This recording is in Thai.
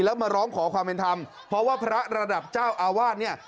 แล้วมาร้องขอความเป็นธรรมเพราะว่าพระระดับเจ้าอาวาสเนี่ย